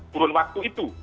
turun waktu itu